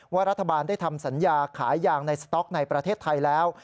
รัฐบาลได้ทำสัญญาขายยางในสต๊อกในประเทศไทยแล้ว